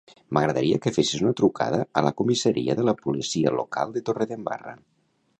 M'agradaria que fessis una trucada a la comissaria de la policia local de Torredembarra.